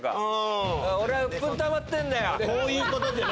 俺は鬱憤たまってるんだよ！